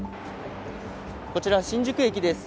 こちら新宿駅です。